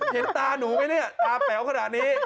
เห็นตาหนูไหมเนี่ยตาแป๋วขนาดนี้